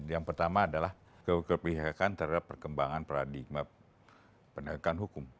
yang pertama adalah keperlihakan terhadap perkembangan peradigma pendekatan hukum